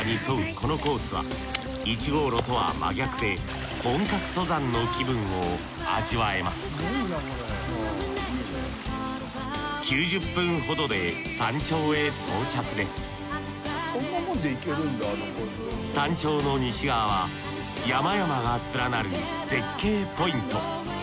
このコースは１号路とは真逆で本格登山の気分を味わえます山頂の西側は山々が連なる絶景ポイント。